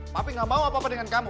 papi nggak mau apa apa dengan kamu